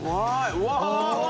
うわうわ